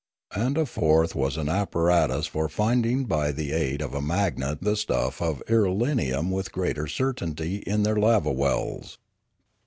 And a fourth was an apparatus for finding by the aid of a magnet the stuff of irelium with greater certainty in their lava wells.